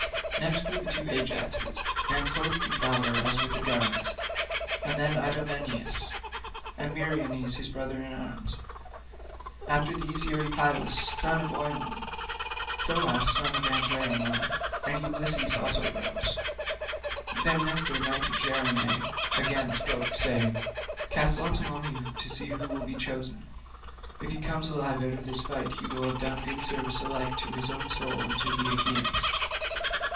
Next were the two Ajaxes, men clothed in valour as with a garment, and then Idomeneus, and Meriones his brother in arms. After these Eurypylus son of Euaemon, Thoas the son of Andraemon, and Ulysses also rose. Then Nestor knight of Gerene again spoke, saying: "Cast lots among you to see who shall be chosen. If he come alive out of this fight he will have done good service alike to his own soul and to the Achaeans."